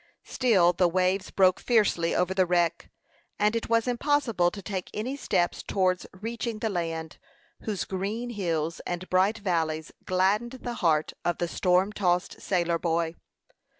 Still the waves broke fiercely over the wreck, and it was impossible to take any steps towards reaching the land, whose green hills and bright valleys gladdened the heart of the storm tossed sailor boy.